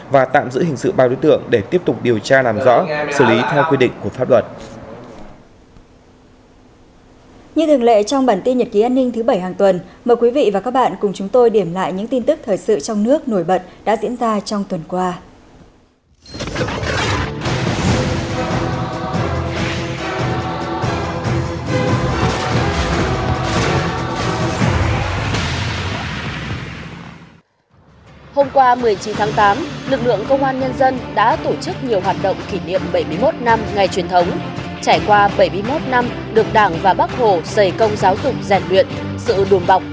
và tạm giữ hình sự bao đối tượng để tiếp tục điều tra làm rõ xử lý theo quy định của pháp luật